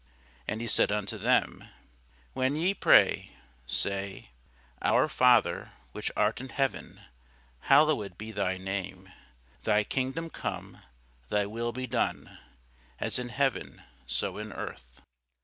And he said unto them, When ye pray, say, Our Father which art in heaven, Hallowed be thy name. Thy kingdom come. Thy will be done, as in heaven, so in earth.